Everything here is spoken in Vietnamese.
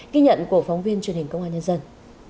ghi nhận của phóng viên truyền hình công an nhân dân